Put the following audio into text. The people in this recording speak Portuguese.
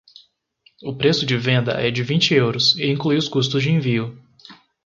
O preço de venda é de vinte euros e inclui os custos de envio.